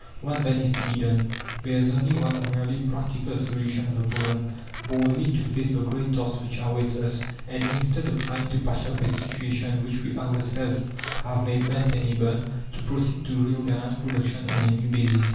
What then is to be done? There is only one really practical solution of the problem boldly to face the great task which awaits us, and instead of trying to patch up a situation which we ourselves have made untenable, to proceed to reorganize production on a new basis.